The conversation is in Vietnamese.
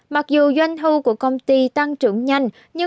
mặc dù doanh thu của công ty tăng trưởng nhanh nhưng